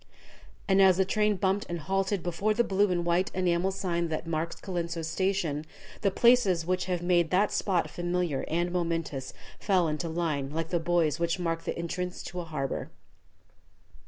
And as the train bumped and halted before the blue and white enamel sign that marks Colenso station, the places which have made that spot familiar and momentous fell into line like the buoys which mark the entrance to a harbor.